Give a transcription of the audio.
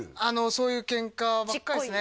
そういうケンカばっかりですね